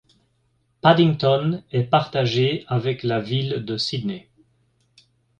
Paddington est partagé avec la ville de Sydney.